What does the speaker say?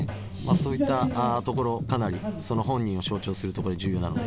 そういったところかなりその本人を象徴するとこで重要なので。